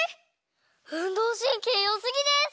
うんどうしんけいよすぎです！